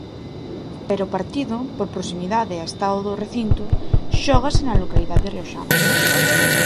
Pero o partido, por proximidade e estado do recinto, xógase na localidade rioxana.